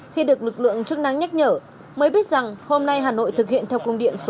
khi được lực lượng chức năng nhắc nhở mới biết rằng hôm nay hà nội thực hiện theo công điện số một mươi